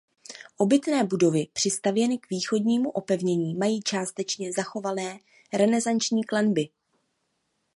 Obytné budovy přistavěny k východnímu opevnění mají částečně zachované renesanční klenby.